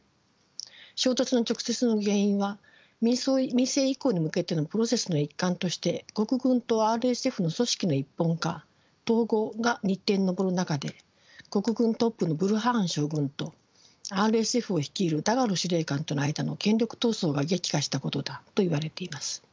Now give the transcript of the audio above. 衝突の直接の原因は民政移行に向けてのプロセスの一環として国軍とＲＳＦの組織の一本化統合が日程に上る中で国軍トップのブルハン将軍とＲＳＦを率いるダガロ司令官との間の権力闘争が激化したことだといわれています。